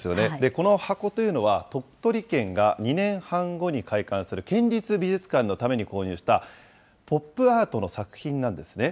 この箱というのは、鳥取県が２年半後に開館する県立美術館のために購入した、ポップアートの作品なんですね。